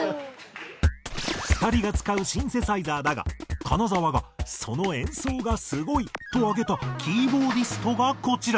２人が使うシンセサイザーだが金澤がその演奏がすごいと挙げたキーボーディストがこちら。